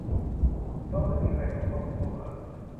เพราะไม่มีใครส่งข้อมูลเข้ามา